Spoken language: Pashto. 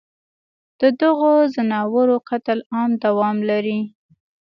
ددغو ځناورو قتل عام دوام لري